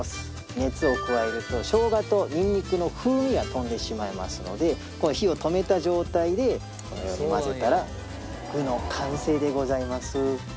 熱を加えると生姜とニンニクの風味が飛んでしまいますのでこの火を止めた状態でこのように混ぜたら具の完成でございます。